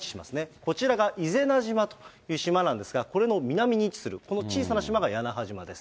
こちらが伊是名島という島なんですが、これの南に位置する、この小さな島が屋那覇島です。